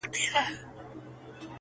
هره شمع یې ژړیږي کابل راسي!